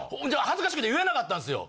恥ずかしくて言えなかったんすよ。